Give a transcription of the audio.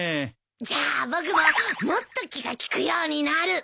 じゃあ僕ももっと気が利くようになる！